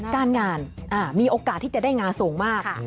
การงานมีโอกาสที่จะได้งานสูงมาก